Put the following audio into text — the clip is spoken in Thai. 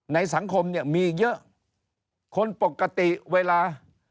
สังคมเนี่ยมีเยอะคนปกติเวลา